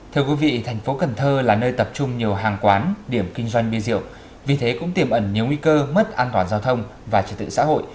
thưa quý vị thành phố cần thơ là nơi tập trung nhiều hàng quán điểm kinh doanh bia rượu vì thế cũng tiềm ẩn nhiều nguy cơ mất an toàn giao thông và trật tự xã hội